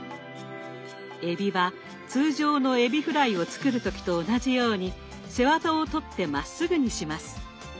えびは通常のえびフライを作る時と同じように背ワタを取ってまっすぐにします。